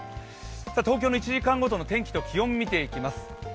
東京の１時間ごとの天気と気温見ていきます。